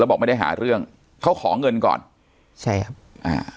บอกไม่ได้หาเรื่องเขาขอเงินก่อนใช่ครับอ่า